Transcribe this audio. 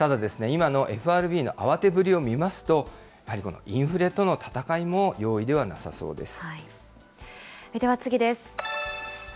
ただ、今のＦＲＢの慌てぶりを見ますと、やはりインフレとの戦いも容易ではなさそうです。